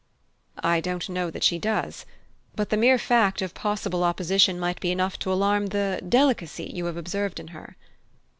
"I don't know that she does: but the mere fact of possible opposition might be enough to alarm the delicacy you have observed in her."